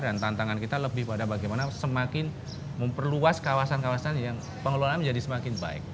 dan tantangan kita lebih pada bagaimana semakin memperluas kawasan kawasan yang pengelolaan menjadi semakin baik